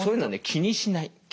気にしない？